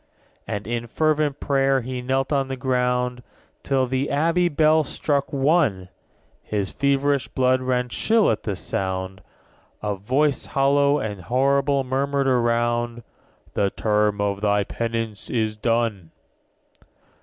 8. And in fervent pray'r he knelt on the ground, Till the abbey bell struck One: His feverish blood ran chill at the sound: A voice hollow and horrible murmured around _45 'The term of thy penance is done!'